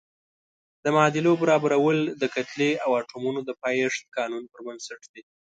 د معادلو برابرول د کتلې او اتومونو د پایښت قانون پر بنسټ دي.